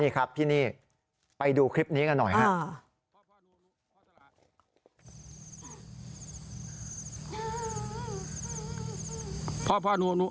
นี่ครับที่นี่ไปดูคลิปนี้กันหน่อยครับ